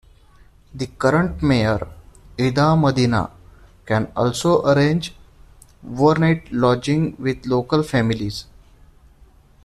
The current mayor, Eda Medina, can also arrange overnight lodging with local families.